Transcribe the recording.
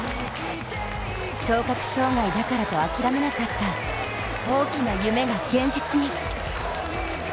聴覚障害だからと諦めなかった大きな夢が現実に。